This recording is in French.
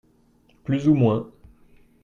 plus ou moins.